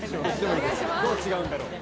どう違うんだろう？